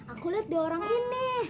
aku lihat dua orang ini